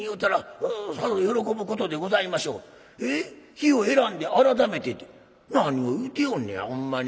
『日を選んで改めて』って何を言うておんねやほんまに。